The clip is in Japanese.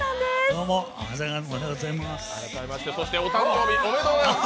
どうも、おはようございます。